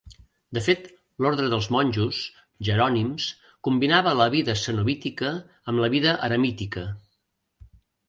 De fet l’orde dels monjos jerònims combinava la vida cenobítica amb la vida eremítica.